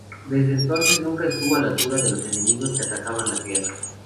Desde entonces nunca estuvo a la altura de los enemigos que atacaban la Tierra.